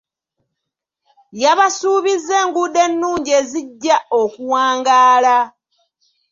Yabasuubizza enguudo ennungi ezijja okuwangaala.